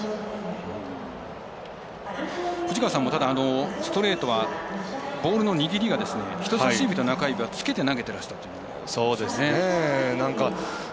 藤川さんもストレートはボールの握りは人さし指の中指はつけて投げていらっしゃったと。